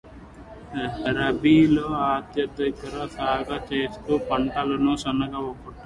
రబీలో అత్యధికంగా సాగు చేసే పంటల్లో శనగ ఒక్కటి.